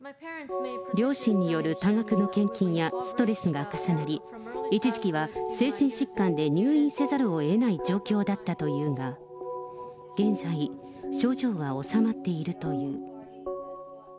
両親による多額の献金やストレスが重なり、一時期は精神疾患で入院せざるをえない状況だったというが、現在、症状は治まっているという。